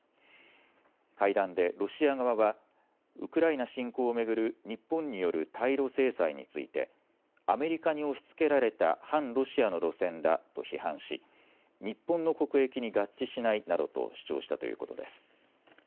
会談でロシア側はウクライナ侵攻を巡る日本による対ロ制裁についてアメリカに押しつけられた反ロシアの路線だと批判し日本の国益に合致しないなどと主張したということです。